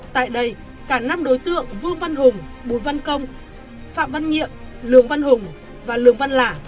tại đây cả năm đối tượng vương văn hùng bùi văn công phạm văn nhiệm văn hùng và lường văn lả